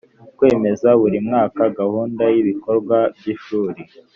kwemeza buri mwaka gahunda y ibikorwa by ishuri